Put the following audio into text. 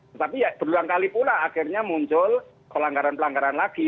tetapi ya berulang kali pula akhirnya muncul pelanggaran pelanggaran lagi